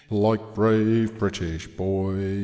Like brave British boys.